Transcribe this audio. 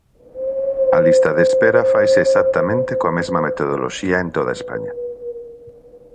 A lista de espera faise exactamente coa mesma metodoloxía en toda España.